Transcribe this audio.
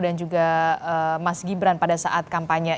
dan juga mas gibran pada saat kampanye